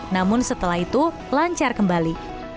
namun setelah itu lancar kembali